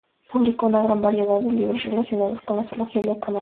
Publicó una gran variedad de libros relacionados con la zoología y la economía.